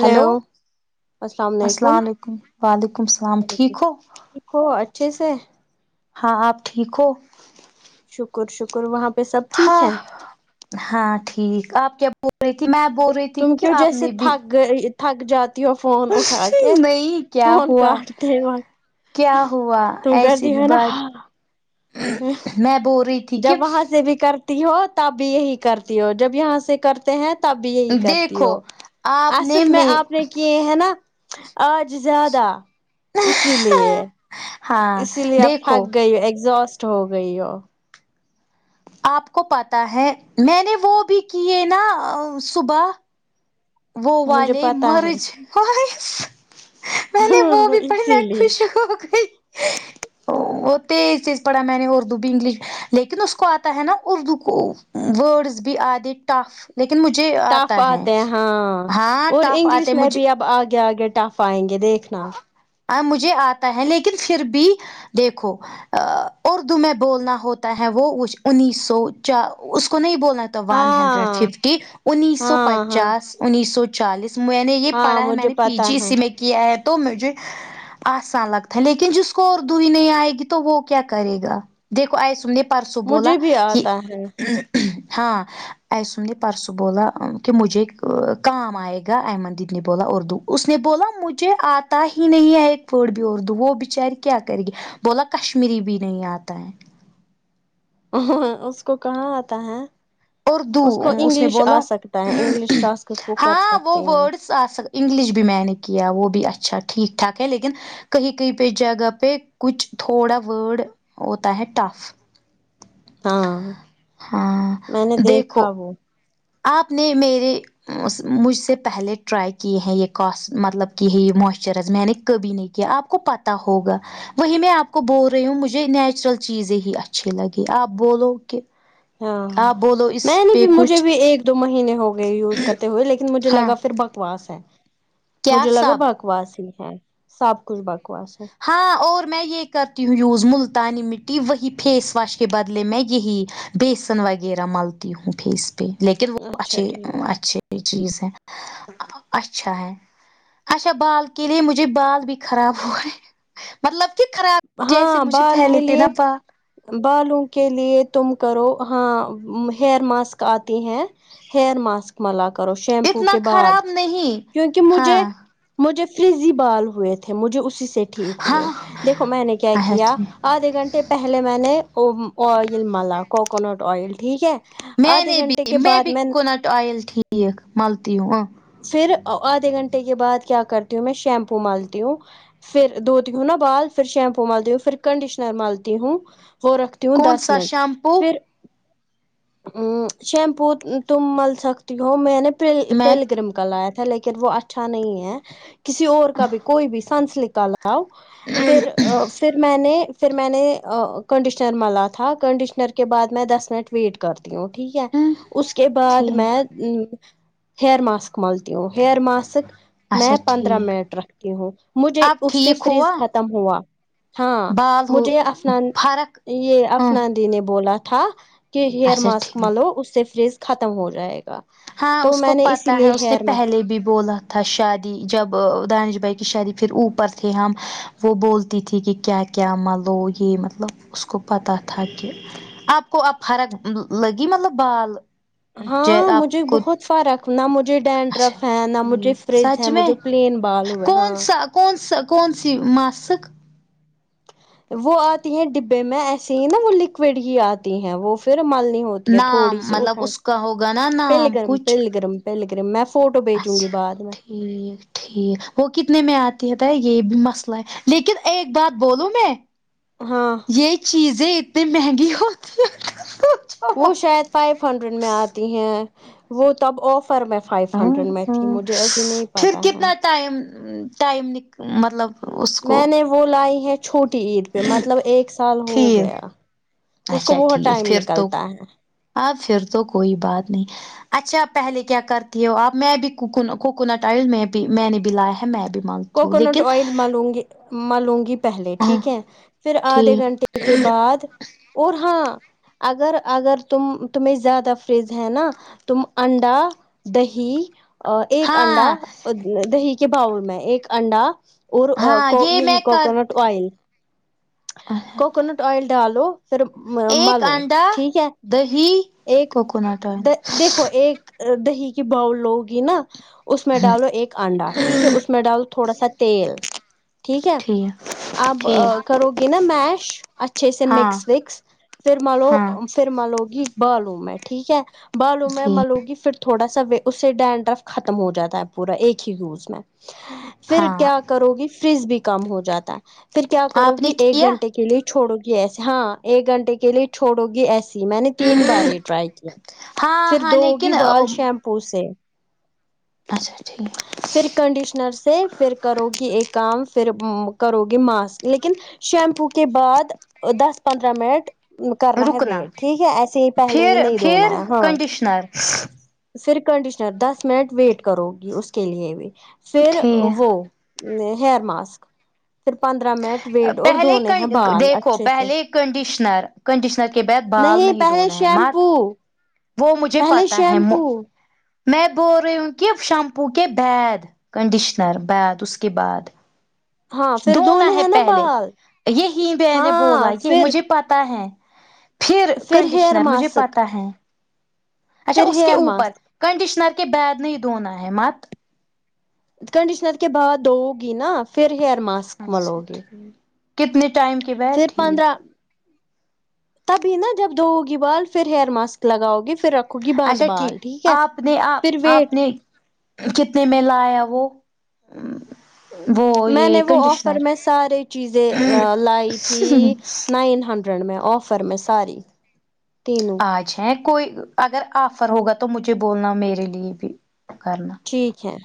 Hello السلام علیکم وعلیکم السلام ٹھیک وعلیکم ہو ٹھیک ہو اچھے سے ہاں آپ ٹھیک ہو شکر شکر وہاں پہ سب ٹھیک ہاں ہے ہاں ٹھیک آپ کیا بول رہی تھی میں بول رہی تھی تم کہ کیوں آپ جیسے نے بھی تھک گئی تھک جات تی ہو فون اٹھا کے نہیں کیا فون ہوا کاٹتے وقت کیا ہوا تم گرتی ایسی بھی ہو نا ہاں بات میں بول رہی تھی کہ جب وہاں سے بھی کرتی ہو تب بھی یہی کرتی ہو جب یہاں سے کر تے ہیں تب بھی یہی کرتی دیکھو ہو آپ نے اصل میں آپ نے کیے ہے نا آج زیادہ اسی لیے ہاں اسی لیے آپ تھک دیکھو گئی ہو ایگزوسٹ ہو گئی ہو آپ کو پتا ہے میں نے وہ بھی کیے نا صبح وہ مجھے والے پتا ہے مرج اوہ ہش۔۔۔۔ میں نے وہ بھی پڑھی میں اسی لیے خوش ہو گئی وہ تیز سےیز پڑھا میں نے اردو بھی انگلش لیکن اس کو آتا ہے نا اردو کو ورڈز بھی آدھے ٹف لیکن مجھے ٹف آتا ہے آتے ہیں ہاں ہاں اور ٹف انگلش آتے میں مجھے بھی اب آگے آگے ٹف آئیں گے دیکھنا آ مجھے آتا ہے لیکن پھر بھی دیکھو اردو میں بولنا ہوتا ہے وہ انیس سو چ اس کو نہیں بولنا ون ہنڈریڈ اڈ ہاں ففٹی انیس سو ہاں ہاں پچاس انیس سو چالیس میں نے یہ ہاں پڑھا ہے میں مجھے نے پی پتا جی ہے اسی میں کیا ہے تو مجھے آسان لگتا ہے لیکن جس کو اور اردو ہی نہیں آئے گی تو وہ کیا کرے گا دیکھو آئیسن نے پرسوں بولا مجھے بھی کہ آتا ہے ہاں ایسن نے پرسوں بولا کہ مجھے کام آئے گا ایمن دیدی نے بولا اردو اس نے بولا مجھے آتا ہی نہیں ہے ایک اردو وردو وہ بیچاری کیا کر گی بولا کشمیری بھی نہیں آتا ہے اس کو کہاں آتا ہے اردو اس کو نے انگلش آ بولا سکتا ہے انگلش ٹاسک اس کو کر سکتے ہیں ساتھ ساتھ انگلش بھی میں نے کیا وہ بھی اچھا ٹھیک ٹھاک ہے لیکن کہیں کہیں پہ جگہ پہ کچھ تھوڑا ورڈ ہوتا ہے ٹف ہاں میں نے ہاں دیکھا دیکھو وہ آپ نے میرے مجھ سے پہلے ٹرائی کیے ہیں یہ کاسٹ مطلب کی ہے یہ موئسچرائز میں نے کبھی نہیں کیا آپ کو پتا ہوگا وہی میں آپ کو بول رہی ہوں مجھے نیچرل چیزیں ہی اچھی لگی آپ بولو کہ ہاں آپ بولو اس میں نے پہ بھی مجھے کچھ بھی ایک دو مہینے ہو گئے یوز کرتے ہوئے لیکن مجھے ہاں لگا پھر بکواس ہے کیا مجھے لگا سب بکواس ہی ہے سب کچھ بکواس ہے ہاں اور میں یہ کرتی ہوں یوز ملتانی مٹی وہی فیس واش کے بدلے میں یہی بیسن وغیرہ ملتی ہوں فیس پہ لیکن وہ اچھا اچھے ٹھیک اچھے چیز ہے اچھا ہے اچھا بال کے لیے مجھے بال بھی خراب ہو گئے مطلب کہ خراب جیسے ہاں مجھے بال کے پھیلتے نا لیے پا بالوں کے لیے تم کرو ہاں ہیئر ماسک آتی ہیں ہیئر ماسک ملا کرو شیمپو اتنا کے بعد خراب نہیں کیونکی مجھے ہاں مجھے فریزی بال ہوئے تھے مجھے اسی سے ٹھیک ہوئے ہاں دیکھو میں نے کیا اچھا کیا ٹھیک آدھے گھنٹے پہلے میں نے ام آئل ملا کوکونٹ آئل ٹھیک ہے م آدھے نے بھی گھنٹے کے م بعد بھی میں کوکونٹ اوئل ٹھیک ملتی ہوں پھر آ آدھے گھنٹے کے بعد کیا کرتی ہوں میں شیمپو مالتی ہوں پھر دھوتی ہوں نا بال پھر شیمپو مالتی ہو پھر کنڈیشنر مالتی ہوں ہو رکھ تی ہوں کون دس سا منٹ شیمپو پھر ہمم شیمپو تم مل سکتی ہو میں نے پل میں پل گرم کا لایا تھا لیکن وہ اچھا نہیں ہے کسی اور کا بھی کوئی بھی سنسلک کا لاؤ پھر آ پھر میں نے پھر میں نے آ کنڈشنر ملا تھا کنڈشنر کے بعد میں دس منٹ ویٹ کرتی ہوں ٹھیک ہے ہوں اس کے بعد میں ٹھیک او ہیئر ماسک مالتی ہوں ہیئیر ماسک سے اچھا میں پندرہ ٹھیک منٹ رکھتی ہوں مجھے اب اس سے ٹھیک فریز ہوا کم ہوا ہاں بال ہو مجھے افنان فرق یے ہاں افنان ٹی نے بولا تھا کی ہیئر اچھا ماسک ٹھیک ملو اس سے فریز ختم ہو جائے گا ہاں تو اس کو میں نے پتہ اسی لیے ہے اس نے ہیئر ما پہلے بھی بولا تھا شادی جب دانش بھائی کی شادی پھر اوپر تھے ہم وہ بولتی تھی کی کیا کیا ملو گی مطلب اس کو پتہ تھا کہ آپ کو اب فرق لگی مطلب بال جو ہاں آپ مجھے کو بہت فرق نہ مجھے اچھا ڈینڈرف ہے نہ مجھے ٹھیک فریز ہے سچ میں مجھے پلین بال ہوئے کون ہاں سا کون سا کون سی ماسک وہ آتی ہے ڈبے میں ایسے ہی نا وہ لکوڈ ہی آتی ہے وہ پھر مل نی ہوتی ہے تھوڑی نام سی مطلب اس کا ہوگا نا پل نام گرم کچھ پل گرم پل گریم میں فوٹو بھیجوں گی اچھا بعد میں ٹھیک ٹھیک وہ کتنے میں آتی ہےتا یے بھی مسئلہ ہے لیکن ایک بات بولوں میں ہاں یے چیزیں اتنی مہنگی ہوتی ہیں سوچو وہ مت۔ شاید فائیو ہنڈریڈ میں آتی ہیں وہ تب آفر میں فائیو آ ہاں ہنڈریڈ میں تھی مجھے ابھی نہیں پھر پتا ہے کتنا ٹائم ٹائم نک مطلب اس کو میں نے وہ لائی ہے چھوٹی عید پے مطلب ایک سال ہو ٹھیک گیا اس کو بہت ٹھیک ٹائم پھر تو نکلتا ہے اچھا پھر تو کوئی بات نہیں اچھا پہلے کیا کرتی ہو آپ میں بھی کوکن کوکونٹ آئل میں بھی میں نے بھی لایا ہے میں بھی مانگتی ہوں کوکونٹ لیکن آئل ملوں گی ملوں گی پہلے ہاں ٹھیک ہے پھر آدھے ٹھیک گھنٹے کے بعد اور ہاں اگر اگر تم تمہیں زیادہ فریز ہے نا تم انڈا دہی آ ایک انڈا ہاں دہی کے باؤل میں ایک انڈا اور آ ہاں کو یہ یہی میں کر کوکونٹ آئل کوکونٹ آئل ڈالو پھر ما ایک ملو انڈا ٹھیک ہے دہی ایک کوکونٹ آئل دا دیک ایک دہی کی باؤل لوگی نا اس میں ڈالو ایک انڈا ٹھیک ہے اس میں ڈالو تھوڑا سا تیل ٹھیک ہے اپ کرو گے نا میش اچھے سے ہاں مکس وکس پھر مالو ہاں پھر ملو گی بالو میں ٹھیک ہے بالو میں جی ملو گی پھر تو تھوڑا سا اس سے ڈینڈر ختم ہو جاتا پورا ایک ہی یوز میں پھر ہاں کیا کرو گی فریج بھی کم ہو جاتا ہے پھر کیا کرو آپ نے گی ایک کیا گھنٹے کے لیے چھوڑو گی ایسے ہاں ایک گھنٹے کے لیے چھوڑو گی ایسے میں نے تین بار یہ ٹرائی کیا ہاں پھر ہاں دو ہوگی لیکن بال شیمپو سے اچھا ٹھیک پھر کنڈیشنر سے پھر کرو گی ایک کام پھر ام کرو گی ماسک لیکن شیمپو کے بعد دس پندرہ منٹ کرنا ہے رکنا ویٹ ٹھیک ہے ایسے ہی پہلے ہی پھر نہیں دھونا پھر ہاں کنڈیشنر پھر کنڈیشنر دس منٹ ویٹ کرو گی اس کے لیے بھی پھر ٹھیک وہ ہیئر ماسک پھر پندرہ منٹ ویٹ اور پہلے دھونے ہیں بال دیکھو اچھے سے پہلے کنڈیشنر کنڈیشنر کے بعد بال نہیں پہلے دھونا ہے مات شیمپو وہ مجھے پہلے پتا ہے شیمپو میں بول رہی ہوں کہ شیمپو کے بعد کنڈیشنر بعد اس کے بعد ہاں پھر دھونا دھونے ہے ہیں نا پہلے بال یہی میں نے بولا ہاں یہ پھر مجھے پتا ہے پھر ہیئر کنڈیشنر مجھے ماسک پتا ہے اچھا پھر اس کے ہیئر اوپر ماسک کنڈیشنر کے بعد نہیں دھونا ہے مت کنڈیشنر کے بعد دھو گی نہ پھر ہیئر ماسک اچھا ملو گی ٹھیک کتنے ٹائم کے بعد پھر پندرہ ٹھیک تبھی نا جب دھو گی بال پھر ہیئر ماسک لگاؤ گی پھر ر اچھا ٹھیک آپ نے آپ آپ ویٹ نے کتنے میں لایا وہ وہ میں یہ نے وہ آفر کنڈیشنر میں سارے چیزیں لائی تھی نائن ہنڈریڈ میں آفر میں ساری تین اچھا کوئی اگر آفر ہوگا تو مجھے بولنا میرے لیے بھی کرنا ٹھیک ہے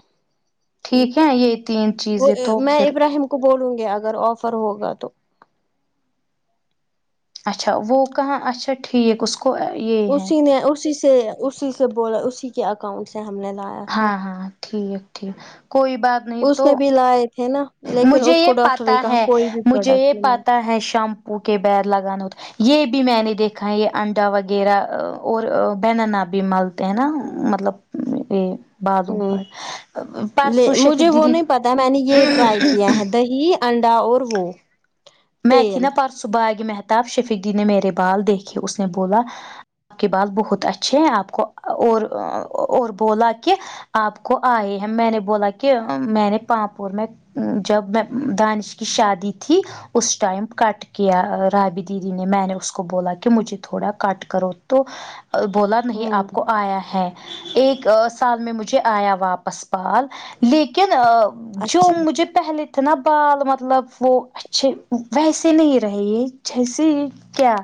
ٹھیک ہے یہ تین وہ چیزیں تو میں پھر ابراہیم کو بولوں گے اگر آفر ہوگا تو اچھا وہ کہا اچھا ٹھیک ا اس کو کو یہ ہے اسی نے اسی سے اسی سے بولا اسی کے اکاؤنٹ سے ہم نے لایا تھا ہاں ہاں ٹھیک ٹھیک کوئی بات نہیں تو لاے تھے نا لیکن مجھے اس یہ کو ڈاکٹر پتا نے کہا ہے کوئی بھی مجھے پروڈکٹ یہ نہیں مل پتا ہے شیمپو کے بعد لگانا یہ بھی میں نے دیکھا ہے یہ انڈا وغیرہ اور بنانا بھی ملتے ہیں نا مطلب ہمم بالو ہوں پر لے پرسوں شیفق مجھے وہ دیدی نہیں پتا میں نے یہ ٹرائی کیا ہے دہی انڈا اور وہ میں تھی تیل نا پرسوں باغ مہت تب شفیق دی نے میرے بال دیکھے اس نے بولا آپ کی بال بہت اچھے ہیں آپ کو اور اور بولا کہ آپ کو آئے ہیں میں نے بولا کہ میں نے پاپور میں جب میں دانش کی شادی تھی اس ٹائم کٹ کیا رابی دیدی نے میں نے اس کو بولا کہ مجھے تھوڑا کٹ کرو تو بولا نہیں ہوں آپ کو آیا ہے ایک سال میں مجھے آیا واپس بال لیکن جو اچھا مجھے پہلے تھے نا بال مطلب وہ اچھے ویسے نہیں رہے یہ جیسے کیا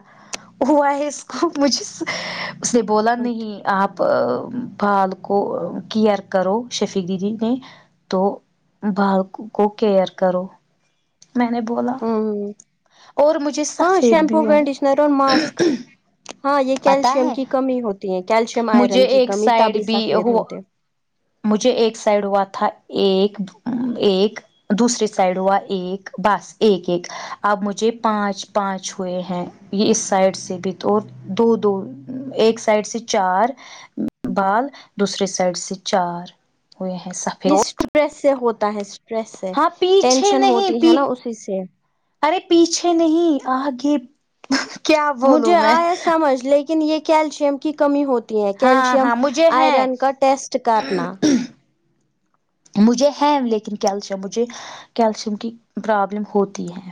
ہوا ہے اس کو مجھے اس نے بولا اچھا نہیں آپ ا بات کو کیئر کرو شفیع دیدی نے تو بال کو کو کیئر کرو میں نے بولا ہوں اور مجھے ہاں سفید شیمپو بھی ہو کنڈیشنر اور ماسک ہاں یہ پتا کیلشیم ہے کی کمی ہوتی ہے کیلشیم مجھے آئرن کی ایک کمی سائڈ تبھی بھی سفید ہو ہوتے مجھے ایک سائڈ ہوا تھا ایک ایک دوسری سائڈ ہوا ایک بس ایک ایک اب مجھے پانچ پانچ ہوئے ہیں یہ اس سائڈ سے بھی تو اور دو دو ایک سائڈ سے چار بال دوسرے سائڈ سے چار ہوئے ہیں سفید یہ ہلو اسٹریس سے ہوتا ہے اسٹریس سے پیچھے ٹینشن نہیں ہوتی ہے پی نا اسی سے ارے پیچھے نہیں آ گے مجھے آیا سمجھ لیکن یہ کیلشیم کی کمی ہو تی ہے ہاں کیلشیم ہاں مجھے ہے آئرن کا ٹیسٹ کرنا مجھے ہیں لیکن کیلشیم مجھے کیلشیم کی پرابلم ہوتی ہے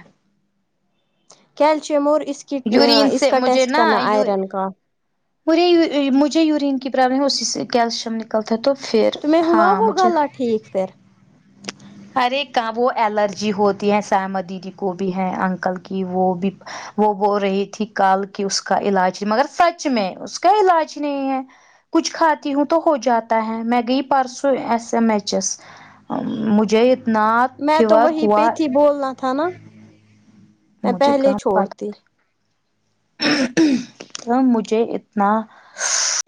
کیلشیم اور اس کی اں یورین اس سے کا مجھے ٹیسٹ نا کرنا آئرن کا مجھے یور مجھے یورین کی پرابلم ہے اسی سے کیلشیم کلتا تو پھر تمہیں ہوا ہاں وہ مجھے گالا ٹھیک پھر ارے کہاں وہ الرجی ہوتی ہے سائمہ دیدی کو بھی ہے انکل کی وہ بھی وہ بول رہی تھی کل کی اس کا علاج مگر سچ میں اس کا علاج نہیں ہے کچھ کھاتی ہوں تو ہو جاتا ہے میں گئی پرسوں ایس ایم ایچ ایس مجھے اتنا میں تو فیور وہی ہوا پہ تھی بولنا تھا نا میں مجھے پہلے کہاں پتہ چھوڑتی تھے مجھے اتنا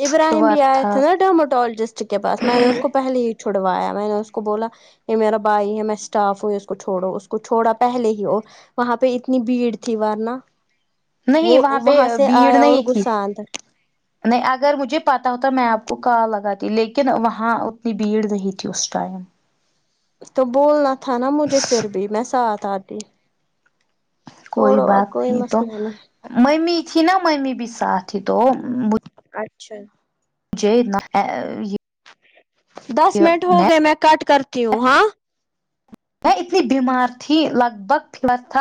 ابراہیم فیور بھی آئے تھے تھا نا ڈرموٹالوجسٹ کے پاس میں نے اس کو پہلے ہی چھڑوایا میں نے اس کو بولا یہ میرا بھائی ہے میں اسٹاف ہوں اس کو چھوڑو اس کو چھوڑا پہلے ہی وہ وہاں پہ اتنی بھیڑ تھی ورنہ نہیں وہ پہ وہاں سے بھیڑ آیا اور نہیں تھی گھوسا اندر نہیں اگر مجھے پتا ہوتا میں آپ کو کال لگاتی لیکن وہاں اتنی بھیڑ نہیں تھی اس ٹائم تو بولنا تھا نا مجھے پھر بھی میں ساتھ آتی کوئی چھوڑو بات اب کوئی نہیں تو مسئلہ نہیں ممی تھی نا ممی بھی ساتھ تھی تو اچھا ج اتنا ہے یہ دس منٹ ہو گئے میں کٹ کرتی ہوں ہاں میں اتنی بیمار تھی لگ بھگ [unintelligible]